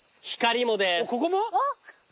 ここも？